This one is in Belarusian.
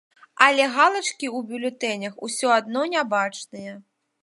Але галачкі ў бюлетэнях усё адно не бачныя.